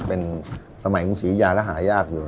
เป็นสมัยกรุงศรียาและหายากอยู่